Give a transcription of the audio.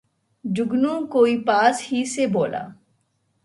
جگنو کوئی پاس ہی سے بولا